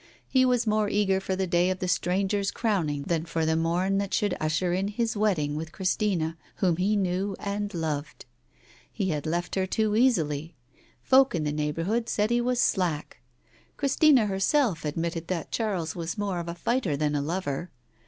He was more eager for the day of the stranger's crowning than for the morn that should usher in his wedding with Christina whom he knew and loved. He had left her too easily. Folk in the neighbourhood said he was slack. Christina herself admitted that Charles was more of a fighter than a lover.